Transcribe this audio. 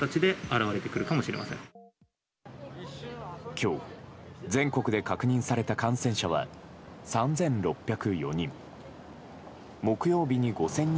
今日、全国で確認された感染者は３６０４人。